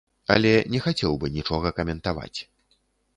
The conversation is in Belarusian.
Але не хацеў бы нічога каментаваць.